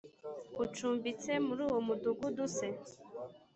ucumbitse muri uwo mudugudu se